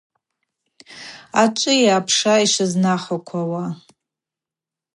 Ачӏвыйа апша йшвызнахаквауа?